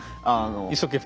一生懸命。